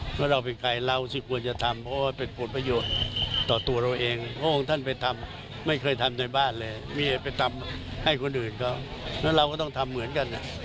เพราะเราเป็นใครเราสิควรจะทำเพราะว่าเป็นผลประโยชน์ต่อตัวเราเองพระองค์ท่านไปทำไม่เคยทำในบ้านเลยมีไปทำให้คนอื่นเขาแล้วเราก็ต้องทำเหมือนกัน